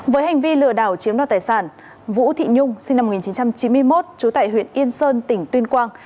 với hành vi lừa đảo chiếm đoạt tài sản vũ thị nhung sinh năm một nghìn chín trăm chín mươi một trú tại huyện yên sơn tỉnh tuyên quang